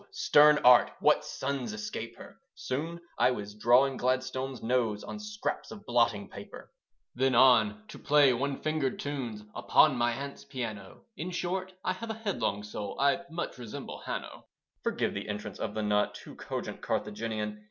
Stern Art what sons escape her? Soon I was drawing Gladstone's nose On scraps of blotting paper. Then on to play one fingered tunes Upon my aunt's piano. In short, I have a headlong soul, I much resemble Hanno. (Forgive the entrance of the not Too cogent Carthaginian.